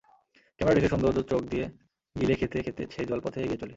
Camera রেখে সৌন্দর্য চোখ দিয়ে গিলে খেতে খেতে সেই জলপথে এগিয়ে চলি।